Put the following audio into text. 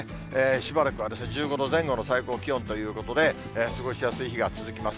しばらくは１５度前後の最高気温ということで、過ごしやすい日が続きます。